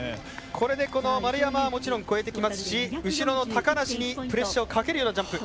これで、丸山はもちろん越えてきますし後ろの高梨に、プレッシャーをかけるようなジャンプ。